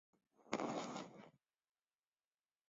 郑绥挟持黎槱退往安朗县。